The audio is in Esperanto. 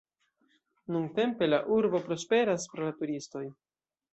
Nuntempe la urbo prosperas pro la turistoj.